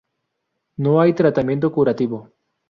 No hay tratamiento curativo.